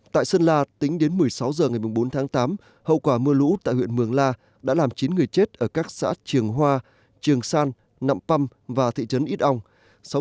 tại sơn la tính đến một mươi sáu h ngày bốn tháng tám hậu quả mưa lũ tại huyện mường la đã làm chín người chết ở các xã trường hoa triềng san nạm păm và thị trấn ít ong